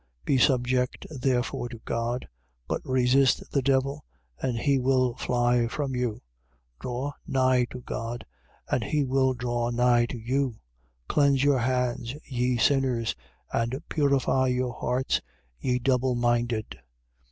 4:7. Be subject therefore to God. But resist the devil: and he will fly from you. 4:8. Draw nigh to God: and he will draw nigh to you. Cleanse your hands, ye sinners, and purify your hearts, ye double minded.